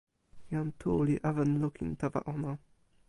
jan Tu li awen lukin tawa ona.